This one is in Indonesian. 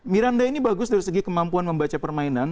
miranda ini bagus dari segi kemampuan membaca permainan